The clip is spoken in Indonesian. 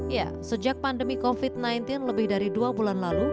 ya sejak pandemi covid sembilan belas lebih dari dua bulan lalu